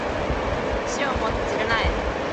死をもって償え